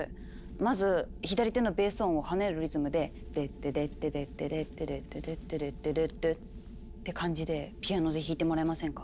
まず左手のベース音を跳ねるリズムで「デッデデッデデッデデッデデッデデッデデッデデッデ」って感じでピアノで弾いてもらえませんか？